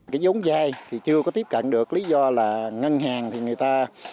cái giống dai thì chưa có tiếp cận được lý do là ngân hàng thì người ta